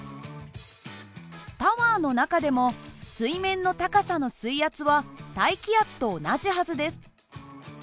タワーの中でも水面の高さの水圧は大気圧と同じはずです。